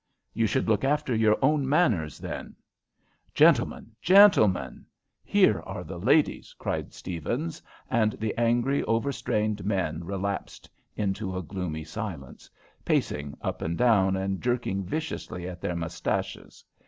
"You should look after your own manners, then." "Gentlemen, gentlemen, here are the ladies!" cried Stephens, and the angry, overstrained men relapsed into a gloomy silence, pacing up and down, and jerking viciously at their moustaches.